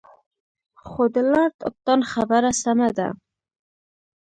خو د لارډ اکټان خبره سمه ده.